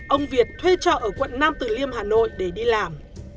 ông việt thuê trọ ở quận nam từ liêm hà nội để đi làm